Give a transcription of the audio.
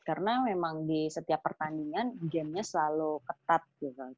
karena memang di setiap pertandingan gamenya selalu ketat gitu kan